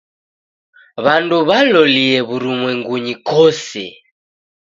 W'andu w'alolie w'urumwengunyi kose.